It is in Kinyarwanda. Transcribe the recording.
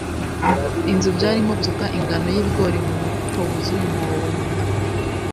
inzu. byari nko gusuka ingano y'ibigori mu mufuka wuzuye umwobo. nyina